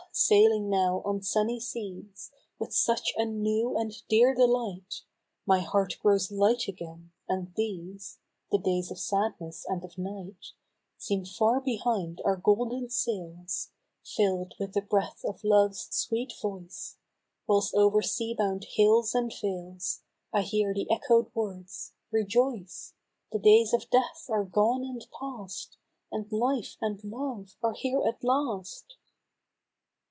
sailing now on sunny seas With such a new and dear delight My heart grows light again, and these (The days of sadness and of night,) Seem far behind our golden sails, Fill'd with the breath of Love's sweet voice, Whilst over sea bound hills and vales I hear the echo'd words, " Rejoice, The days of Death are gone and past, And Life and Love are here at last